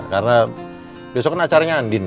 karena besok kan acaranya andin